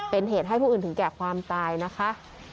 เป็นเหตุให้ผู้อื่นถึงแก่ความตายนะคะ